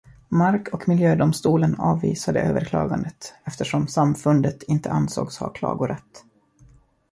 Mark- och miljödomstolen avvisade överklagandet eftersom samfundet inte ansågs ha klagorätt.